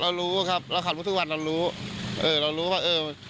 เรารู้ครับเราขับรถทุกวันเรารู้เออเรารู้ว่าเออ